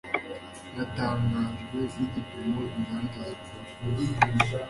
Natangajwe nigipimo inganda zikura.